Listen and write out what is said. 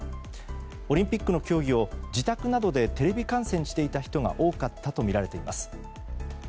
オリンピックの競技を自宅などでテレビ観戦していた人が多かったとみられています。